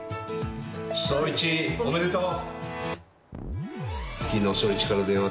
壮市おめでとう。